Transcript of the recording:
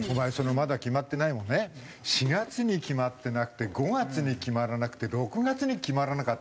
「まだ決まってない」もね４月に決まってなくて５月に決まらなくて６月に決まらなかったんだぜ？